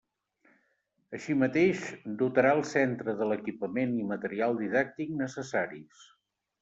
Així mateix, dotarà el centre de l'equipament i material didàctic necessaris.